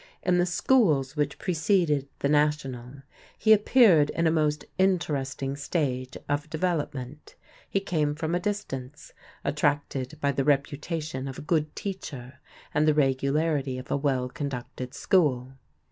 In the schools which preceded the National, he appeared in a most interesting stage of development. He came from a distance, attracted by the reputation of a good teacher and the regularity of a well conducted school.